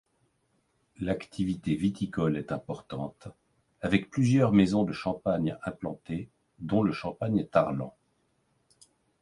L'activité viticole est importante, avec plusieurs maisons de Champagne implantées dont le Champagne Tarlant.